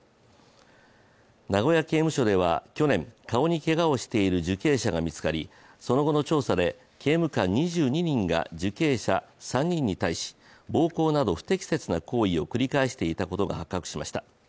名古屋刑務所では去年、顔にけがをしている受刑者が見つかりその後の調査で刑務官２２人が受刑者３人に対し暴行など不適切な行為を繰り返していたことが発覚しました。